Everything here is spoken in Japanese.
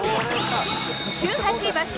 週８バスケ